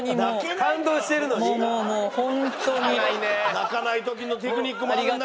泣かない時のテクニックもあるんだね！